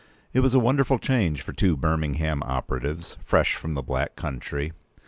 It was a wonderful change for two Birmingham operatives fresh from the Black Country.